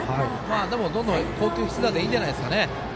でも、どんどん好球必打でいいんじゃないでしょうか。